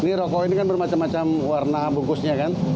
ini rokok ini kan bermacam macam warna bungkusnya kan